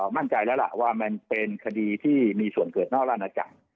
มั่นใจแล้วล่ะว่ามันเป็นคดีที่มีส่วนเกิดนอกราชนาจักร